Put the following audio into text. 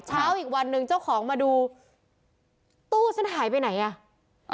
อีกวันหนึ่งเจ้าของมาดูตู้ฉันหายไปไหนอ่ะ